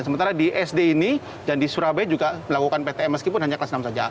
sementara di sd ini dan di surabaya juga melakukan ptm meskipun hanya kelas enam saja